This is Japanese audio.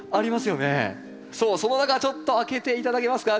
そうその中ちょっと開けて頂けますか？